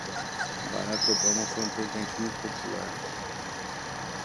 Barack Obama foi um presidente muito popular.